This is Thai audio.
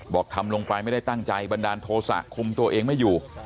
ทำลงไปไม่ได้ตั้งใจบันดาลโทษะคุมตัวเองไม่อยู่